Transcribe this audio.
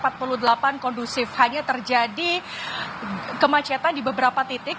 pukul empat puluh delapan kondusif hanya terjadi kemacetan di beberapa titik